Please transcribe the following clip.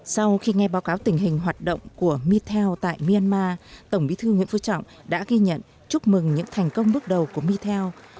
sau khi nghe báo cáo tình hình hoạt động của mitel tại myanmar tổng bí thư nguyễn phú trọng đã ghi nhận chúc mừng những thành công bước đầu của mitel